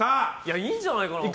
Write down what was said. いいんじゃないかな。